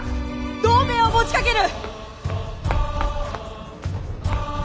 同盟を持ちかける！